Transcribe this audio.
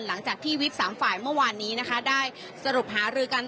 หลังจากที่วิบสามฝ่ายเมื่อวานนี้นะคะได้สรุปหารือกัน